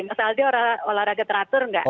mas aldi olahraga teratur nggak